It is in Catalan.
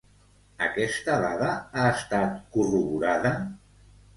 Aquesta dada ha estat corroborada?